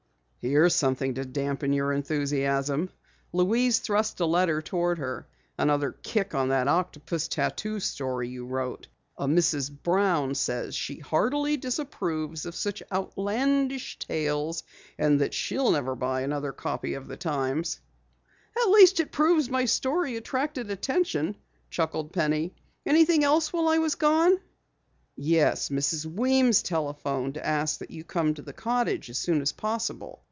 "Here's something to dampen your enthusiasm." Louise thrust a letter toward her. "Another kick on that octopus tattoo story you wrote. A Mrs. Brown says she heartily disapproves of such outlandish tales, and that she'll never buy another copy of the Times." "At least it proves my story attracted attention," chuckled Penny. "Anything else while I was gone?" "Yes, Mrs. Weems telephoned to ask that you come to the cottage as soon as possible.